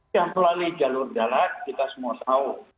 yang melalui jalur darat kita semua tahu